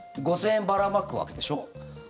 ５０００円ばらまくわけでしょ？